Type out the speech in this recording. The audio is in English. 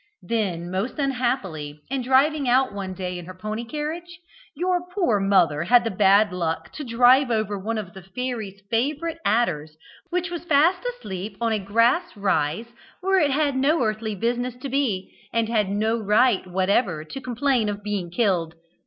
Then, most unhappily, in driving out one day in her pony carriage, your poor mother had the bad luck to drive over one of the fairy's favourite adders, which was fast asleep on a grass ride where it had no earthly business to be, and had no right whatever to complain of being killed.